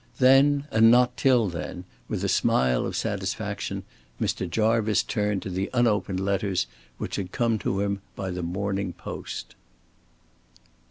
Then, and not till then, with a smile of satisfaction, Mr. Jarvice turned to the unopened letters which had come to him by the morning post.